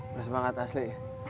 pedas banget asli